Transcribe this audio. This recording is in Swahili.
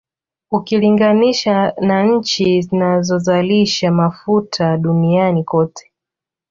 Ukilinganisha na nchi zinazozalisha Mafuta duniani kote